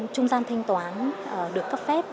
trung gian thanh toán được cấp phép